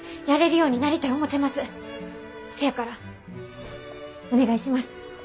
せやからお願いします。